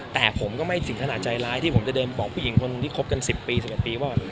แต่ผมก็ไม่ถึงขนาดใจร้ายที่ผมจะเดินบอกผู้หญิงคนที่คบกัน๑๐ปี๑๑ปีว่า